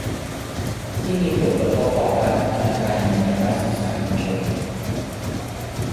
ที่มีผลกระทบต่อการพัฒนาการเมืองและการสื่อสารมวลชน